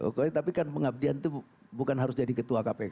pokoknya tapi kan pengabdian itu bukan harus jadi ketua kpk